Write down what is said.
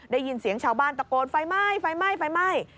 ได้ยินเสียงชาวบ้านตะโกนไฟไหม้ไฟไหม้ไฟไหม้